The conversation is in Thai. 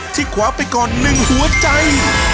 ที่ขวาไปก่อนหนึ่งหัวใจ